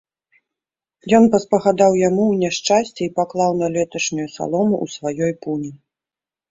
Ён паспагадаў яму ў няшчасці і паклаў на леташнюю салому ў сваёй пуні.